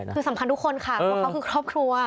คือสำคัญทุกคนค่ะตัวเขาคือครอบครัว